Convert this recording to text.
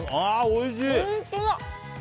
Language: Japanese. おいしい！